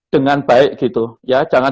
dengan baik gitu ya jangan